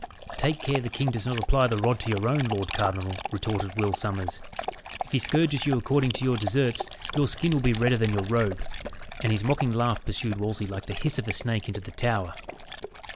"Take care the king does not apply the rod to your own, lord cardinal," retorted Will Sommers. "If he scourges you according to your deserts, your skin will be redder than your robe." And his mocking laugh pursued Wolsey like the hiss of a snake into the tower.